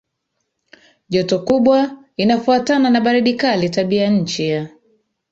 joto kubwa inafuatana na baridi kali Tabianchi ya